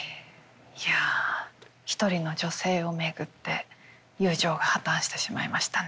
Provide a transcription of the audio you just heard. いや一人の女性を巡って友情が破綻してしまいましたね。